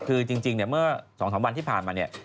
คือจริงเนี่ยเมื่อ๒๓วันที่ผ่านมาเนี่ย